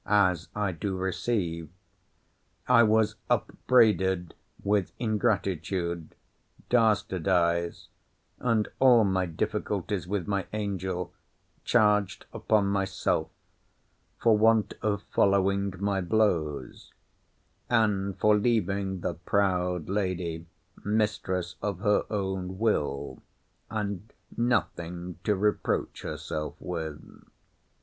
as I to receive!] I was upbraided with ingratitude, dastardice and all my difficulties with my angel charged upon myself, for want of following my blows; and for leaving the proud lady mistress of her own will, and nothing to reproach herself with.